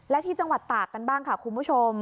และที่จังหวัดตากกันบ้างค่ะคุณผู้ชม